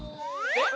えっ！？